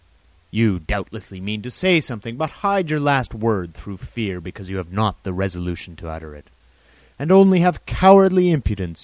You doubtlessly mean to say something, but hide your last word through fear, because you have not the resolution to utter it, and only have a cowardly impudence.